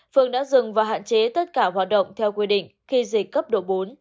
phương đã dừng và hạn chế tất cả hoạt động theo quy định khi dịch cấp độ bốn